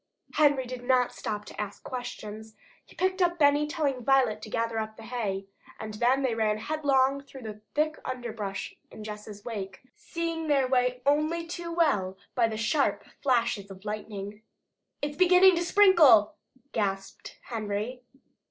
Henry did not stop to ask questions. He picked up Benny, telling Violet to gather up the hay. And then they ran headlong through the thick underbrush in Jess' wake, seeing their way only too well by the sharp flashes of lightning. "It's beginning to sprinkle!" gasped Henry.